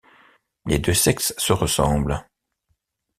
Les deux sexes se ressemblent.